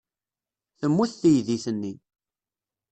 Temmut teydit-nni.